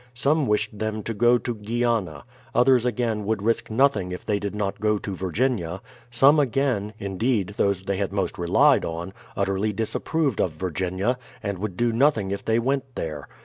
Some wished them to go to Guiana ; others again would risk nothing if they did not go to Vir ginia ; some again — indeed those they had most relied on — utterly disapproved of Virginia, and would do nothing if they went there.